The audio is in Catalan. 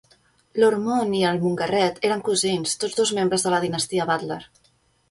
L'Ormonde i el Mountgarret eren cosins, tots dos membres de la dinastia Butler.